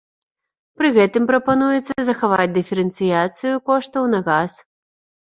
Пры гэтым прапануецца захаваць дыферэнцыяцыю коштаў на газ.